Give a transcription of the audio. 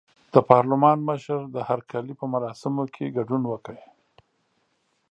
د پارلمان مشر د هرکلي په مراسمو کې ګډون وکړ.